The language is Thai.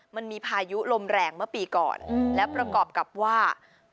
มันมีพายุลมแรงเมื่อปีก่อนและประกอบกับว่า